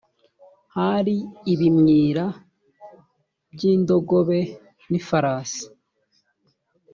hari ibimyira by’ indogobe n’ ifarasi.